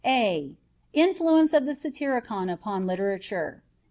a INFLUENCE OF THE SATYRICON UPON LITERATURE.